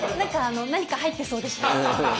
何か入ってそうでした。